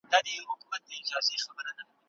د کليو د پراختيا لپاره ځانګړې پاملرنه کيږي.